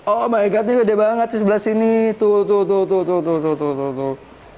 oh my god ini gede banget sih sebelah sini tuh tuh tuh tuh tuh tuh tuh tuh tuh